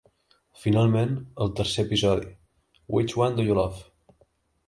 Finalment, el tercer episodi, "Which One Do You Love?"